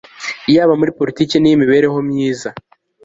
yaba muri politiki n'iy'imibereho myiza